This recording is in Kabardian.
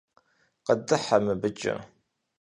Къыдыхьэ мыбыкӀэ.